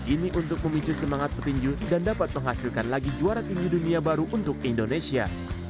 ini untuk memicu semangat petinju dan dapat menghasilkan lagi juara tinju dunia baru untuk indonesia